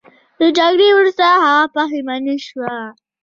د جګړې وروسته هغه پښیمانه شو.